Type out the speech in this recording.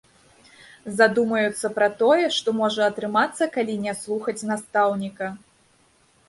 Задумаюцца пра тое, што можа атрымацца калі не слухаць настаўніка.